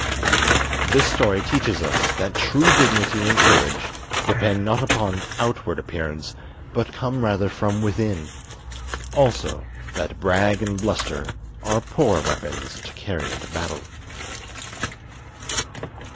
This story teaches us that true dignity and courage depend not upon outward appearance, but come rather from within; also that brag and bluster are poor weapons to carry into battle.